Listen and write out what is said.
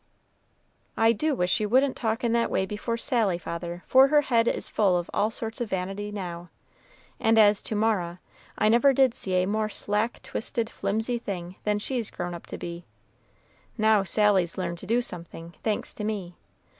"I do wish you wouldn't talk in that way before Sally, father, for her head is full of all sorts of vanity now; and as to Mara, I never did see a more slack twisted, flimsy thing than she's grown up to be. Now Sally's learnt to do something, thanks to me.